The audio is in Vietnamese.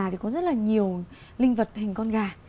thì có rất là nhiều linh vật hình con gà